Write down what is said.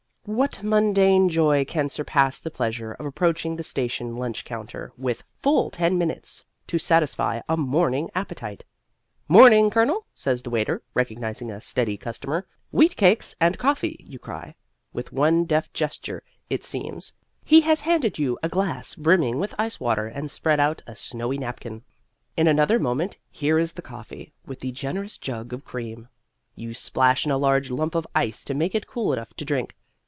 What mundane joy can surpass the pleasure of approaching the station lunch counter, with full ten minutes to satisfy a morning appetite! "Morning, colonel," says the waiter, recognizing a steady customer. "Wheatcakes and coffee," you cry. With one deft gesture, it seems, he has handed you a glass brimming with ice water and spread out a snowy napkin. In another moment here is the coffee, with the generous jug of cream. You splash in a large lump of ice to make it cool enough to drink.